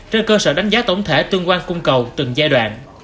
trên cơ sở đánh giá tổng thể tương quan cung cầu từng giai đoạn